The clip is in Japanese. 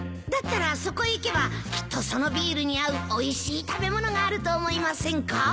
だったらそこへ行けばきっとそのビールに合うおいしい食べ物があると思いませんか？